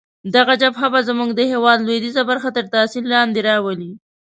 دغه جبهه به زموږ د هیواد لویدیځې برخې تر تاثیر لاندې راولي.